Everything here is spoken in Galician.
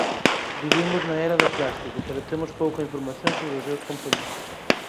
Vivimos na era do plástico pero temos pouca información sobre os seus compoñentes.